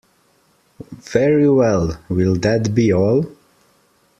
Very well, will that be all?